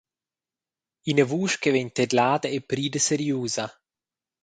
Ina vusch che vegn tedlada e prida seriusa.